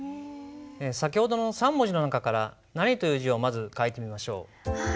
先ほどの３文字の中から「何」という字を書いてみましょう。